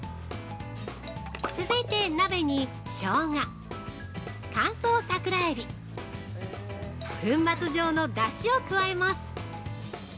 ◆続いて鍋に、しょうが乾燥桜えび、粉末状のだしを加えます。